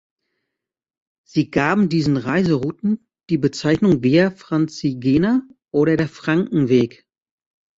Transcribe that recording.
Sie gaben diesen Reiserouten die Bezeichnung „Via Francigena“ oder der „Frankenweg“.